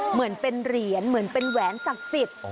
เหมือนเป็นเหรียญเหมือนเป็นแหวนศักดิ์สิทธิ์